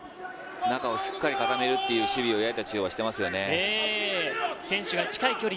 中をしっかり固めるという守備を矢板中央はしてますよね。